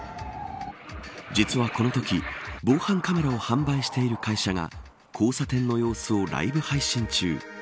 実はこのとき防犯カメラを販売している会社が交差点の様子をライブ配信中。